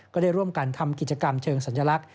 ก็ได้ร่วมกันทำกิจกรรมเชิงสัญลักษณ